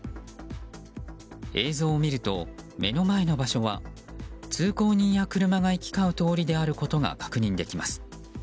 映像を見ると目の前の場所は通行人や車が行き交う通りであることが確認できます。